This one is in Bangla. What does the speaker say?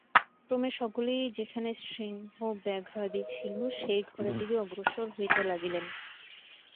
ক্রমে সকলেই যেখানে সিংহ-ব্যাঘ্রাদি ছিল, সেই ঘরের দিকে অগ্রসর হইতে লাগিলেন।